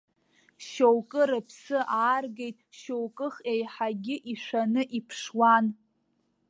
Шьоукы рыԥсы ааргеит, шьоукых еиҳагьы ишәаны иԥшуан.